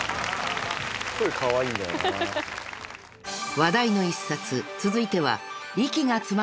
［話題の一冊続いては］